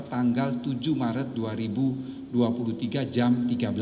tanggal tujuh maret dua ribu dua puluh tiga jam tiga belas